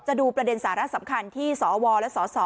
ดูประเด็นสาระสำคัญที่สวและสส